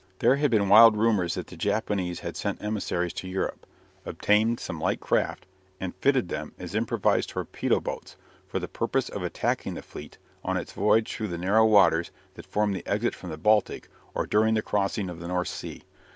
There had been wild rumours that the Japanese had sent emissaries to Europe, obtained some light craft, and fitted them as improvised torpedo boats for the purpose of attacking the fleet on its voyage through the narrow waters that form the exit from the Baltic or during the crossing of the North Sea.